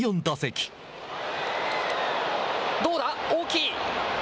どうだ？大きい。